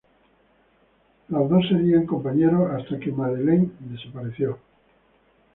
Los dos serían compañeros hasta que Madelyne desapareció.